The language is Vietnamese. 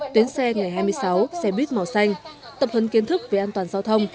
tuyến xe ngày hai mươi sáu xe buýt màu xanh tập hấn kiến thức về an toàn giao thông